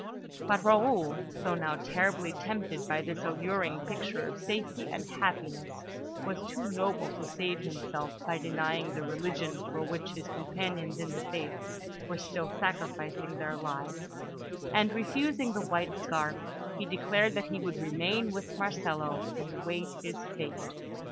But Raoul, though now terribly tempted by this alluring picture of safety and happiness, was too noble to save himself by denying the religion for which his companions in the faith were still sacrificing their lives; and, refusing the white scarf, he declared that he would remain with Marcello and await his fate.